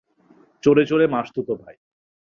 চোরে চোরে মাসতুতো ভাই।